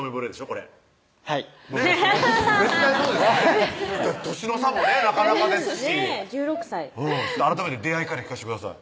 これはいねっ絶対そうですよね年の差もねなかなかですし１６歳改めて出会いから聞かしてください